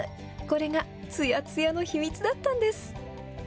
これがつやつやの秘密だったんです。